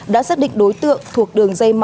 đã xác định đối tượng thuộc đường dây ma